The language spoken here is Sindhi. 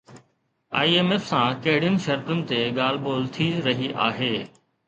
آءِ ايم ايف سان ڪهڙين شرطن تي ڳالهه ٻولهه ٿي رهي آهي؟